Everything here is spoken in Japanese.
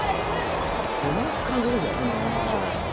狭く感じるんじゃない？